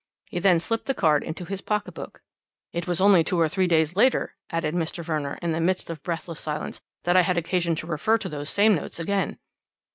He then slipped the card into his pocket book. "'It was only two or three days later,' added Mr. Verner in the midst of breathless silence, 'that I had occasion to refer to these same notes again.